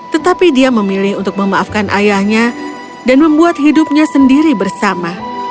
tetapi dia memilih untuk memaafkan ayahnya dan membuat hidupnya sendiri bersama